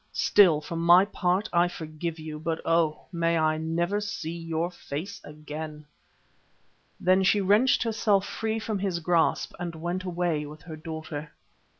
Still, for my part, I forgive you, but oh! may I never see your face again." Then she wrenched herself free from his grasp and went away with her daughter.